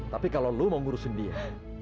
tapi kalau lo mau ngurusin dia